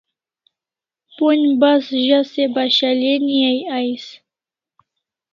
Pon'j bas za se Bashaleni ai ais